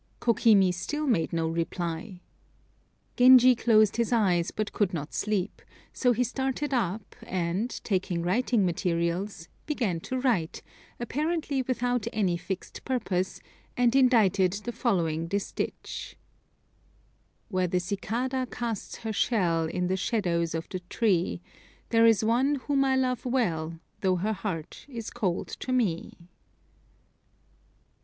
Kokimi still made no reply. Genji closed his eyes but could not sleep, so he started up and, taking writing materials, began to write, apparently without any fixed purpose, and indited the following distich: "Where the cicada casts her shell In the shadows of the tree, There is one whom I love well, Though her heart is cold to me."